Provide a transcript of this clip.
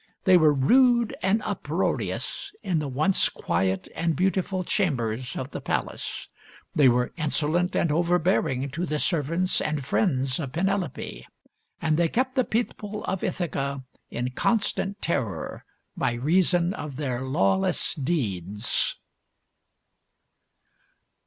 They were rude and uproarious in the once quiet and beautiful chambers of the palace. They were insolent and overbearing to the servants and friends of Penelope, and they kept the people of Ithaca in constant terror by reason of their lawless deeds.